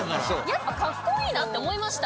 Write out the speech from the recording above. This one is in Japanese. やっぱカッコイイなって思いました。